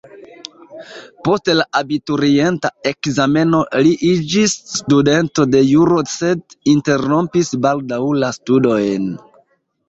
Post la abiturienta ekzameno li iĝis studento de juro sed interrompis baldaŭ la studojn.